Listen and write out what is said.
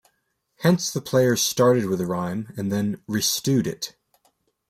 Hence the players started with a rhyme and then "re-stewed" it.